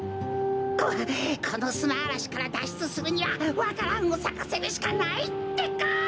ここのすなあらしからだっしゅつするにはわか蘭をさかせるしかないってか。